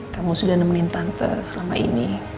kamu sudah nemenin tante selama ini